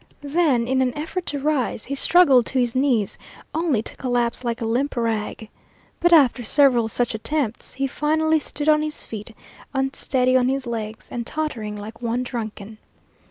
Then in an effort to rise he struggled to his knees, only to collapse like a limp rag. But after several such attempts he finally stood on his feet, unsteady on his legs, and tottering like one drunken.